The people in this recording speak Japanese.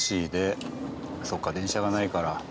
そっか電車がないから。